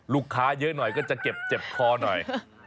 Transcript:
เยอะหน่อยก็จะเก็บเจ็บคอหน่อย